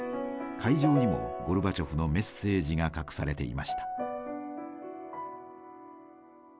会場にもゴルバチョフのメッセージが隠されていました。